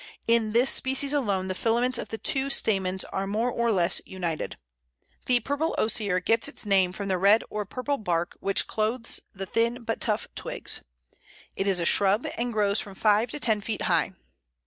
In this species alone the filaments of the two stamens are more or less united. The Purple Osier gets its name from the red or purple bark which clothes the thin but tough twigs. It is a shrub, and grows from five to ten feet high.